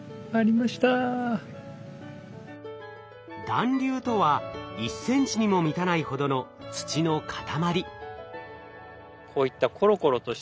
団粒とは１ｃｍにも満たないほどの土の塊。